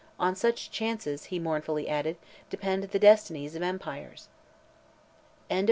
On such chances," he mournfully added, "depend the destinies of empires!" CHAPTER XV.